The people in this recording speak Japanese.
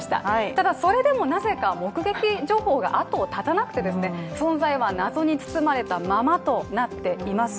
ただ、それでもなぜか目撃情報があとを絶たなくて存在は謎に包まれたままとなっています。